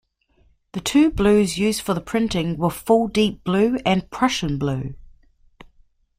The two blues used for the printing were full deep blue and prussian blue.